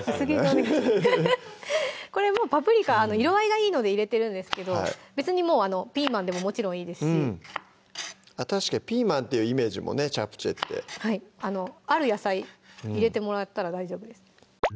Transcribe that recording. これパプリカは色合いがいいので入れてるんですけど別にもうピーマンでももちろんいいですし確かにピーマンっていうイメージもねチャプチェってある野菜入れてもらったら大丈夫です